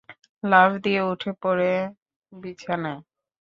লাফ দিয়ে উঠে পড়ে বিছানায়।